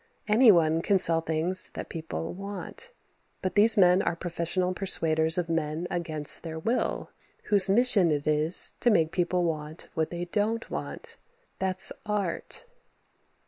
Anyone can sell things that people want. But these men are professional persuaders of men against their will whose mission it is to make people want what they don't want. That's Art.